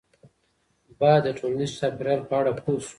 باید د ټولنیز چاپیریال په اړه پوه سو.